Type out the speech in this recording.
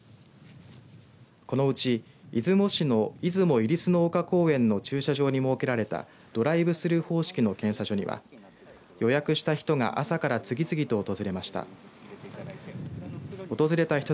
このうち、出雲市の出雲いりすの丘公園の駐車場に設けられたドライブスルー方式の検査所には予約した人が朝から次々と訪れました。